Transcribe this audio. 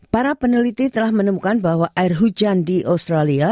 para peneliti telah menemukan bahwa air hujan di australia